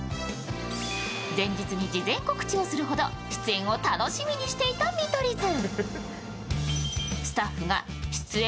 前日に事前告知をするほど出演を楽しみにしていた見取り図。